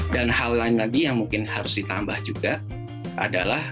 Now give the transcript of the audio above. dan hal lain lagi yang mungkin harus ditambah juga adalah